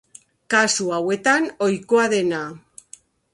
Kasu hauetan ohikoa dena.